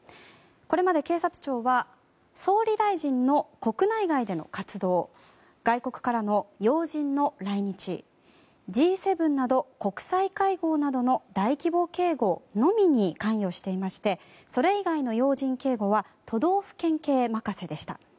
これまで、警察庁は総理大臣の国内外での活動外国からの要人の来日Ｇ７など、国際会合などの大規模警護のみに関与していましてそれ以外の要人警護は都道府県警任せでした。